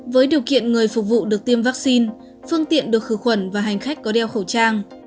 với điều kiện người phục vụ được tiêm vaccine phương tiện được khử khuẩn và hành khách có đeo khẩu trang